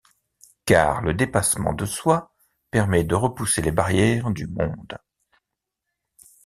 Car le dépassement de soi permet de repousser les barrières du monde.